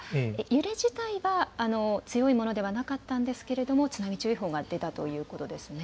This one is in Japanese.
揺れ自体は強いものではなかったのですが津波注意報が出たということですね。